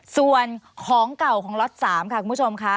ส่วนของเก่าของล็อต๓ค่ะคุณผู้ชมค่ะ